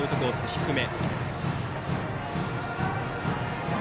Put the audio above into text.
低め。